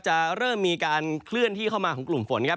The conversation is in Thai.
จะเริ่มมีการเคลื่อนที่เข้ามาของกลุ่มฝนครับ